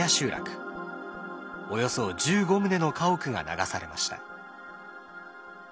およそ１５棟の家屋が流されました。